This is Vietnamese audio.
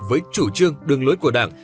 với chủ trương đường lối của đảng